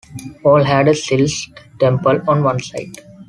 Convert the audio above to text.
All had a sylised temple on one side.